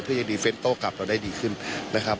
เพื่อจะควบคุมกับเราได้ดีขึ้นนะครับ